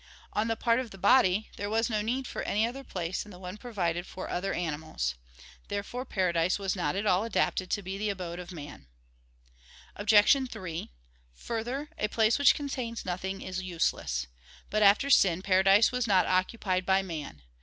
On the part of the body, there was no need for any other place than the one provided for other animals. Therefore paradise was not at all adapted to be the abode of man. Obj. 3: Further, a place which contains nothing is useless. But after sin, paradise was not occupied by man.